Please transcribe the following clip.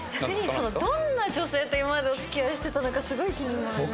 どんな女性と今までお付き合いしてたのかすごい気にはなります。